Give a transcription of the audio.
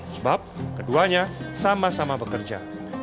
sebab keduanya sama sama bekerja